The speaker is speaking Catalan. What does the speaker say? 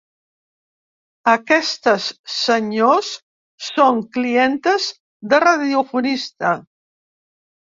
Aquestes senyors són clientes de radiofonista.